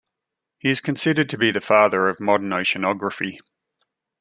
He is considered to be the father of modern oceanography.